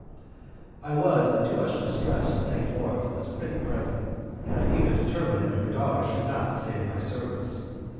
I was in too much distress to thank Laura for this pretty present, and I even determined that her daughter should not stay in my service.